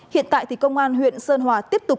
hiện tại thì công an huyện sơn hòa tiếp tục